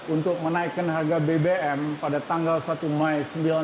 untuk menaikkan harga bbm pada tanggal satu mei seribu sembilan ratus sembilan puluh